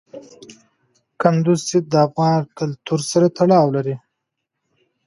کندز سیند د افغان کلتور سره تړاو لري.